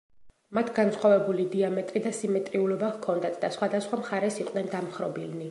მათ განსხვავებული დიამეტრი და სიმეტრიულობა ჰქონდათ და სხვადასხვა მხარეს იყვნენ დამხრობილნი.